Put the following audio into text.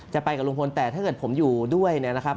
จะไปกับลุงพลแต่ถ้าเกิดผมอยู่ด้วยเนี่ยนะครับ